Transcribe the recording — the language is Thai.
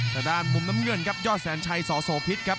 จากด้านมุมน้ำเงื่อนครับยอดแสนชัยซาวโซบริเวณครับ